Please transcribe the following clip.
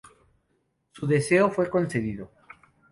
Su deseo fue concedido.